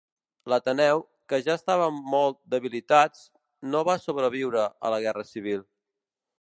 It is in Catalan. L'Ateneu, que ja estava molt debilitats no va sobreviure a la Guerra Civil.